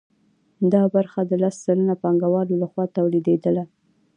دا برخه د لس سلنه پانګوالو لخوا تولیدېدله